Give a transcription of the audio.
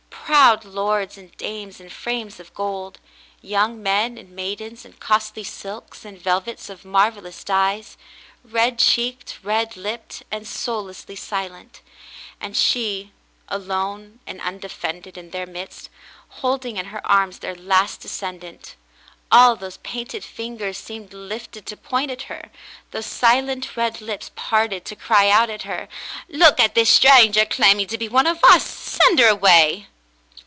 Proud lords and dames in frames of gold ; young men and maidens in costly silks and velvets of marvellous dyes, red cheeked, red lipped, and soullessly silent; and she, alone and undefended in their midst, holding in her arms their last descendant. All those painted fingers seemed lifted to point at her ; those silent red lips parted to cry out at her, "Look at this stranger claiming to be one of us ; send her away."